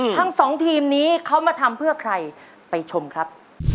ทั้งสองทีมนี้เขามาทำเพื่อใครไปชมครับ